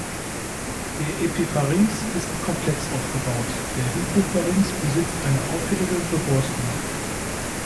Der Epipharynx ist komplex aufgebaut, der Hypopharynx besitzt eine auffällige Beborstung.